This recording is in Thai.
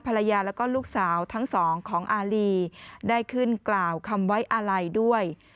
ภรรยาแล้วก็ลูกสาวทั้งสองของอารีได้ขึ้นกล่าวคำไว้อาลัยด้วย